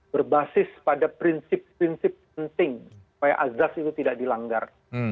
berbasis pada prinsip prinsip penting supaya azas itu tidak dilanggar